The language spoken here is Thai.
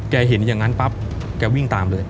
เห็นอย่างนั้นปั๊บแกวิ่งตามเลย